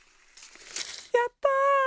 やった！